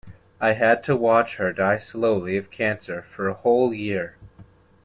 I had to watch her die slowly of cancer for a whole year.